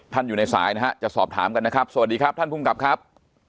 อยู่ในสายนะฮะจะสอบถามกันนะครับสวัสดีครับท่านภูมิกับครับ